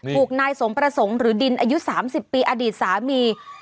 ถูกนายสมประสงค์หรือดินอายุ๓๐ปีอดีตสามี